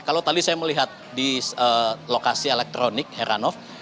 kalau tadi saya melihat di lokasi elektronik heranov